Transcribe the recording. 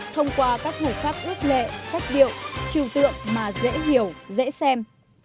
thông qua các hồi pháp ước lệ cách điệu chiều tượng mà dễ hiểu dễ xem